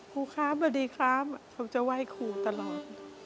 ครูครับสวัสดีครับเขาจะไหว้ครูตลอด